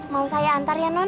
mau saya antar ya non